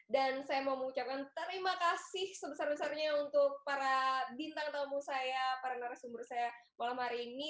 dan saya mau mengucapkan terima kasih sebesar besarnya untuk para bintang tamu saya para narasumber saya malam hari ini